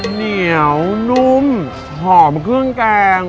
เหนียวนุ่มหอมเครื่องแกง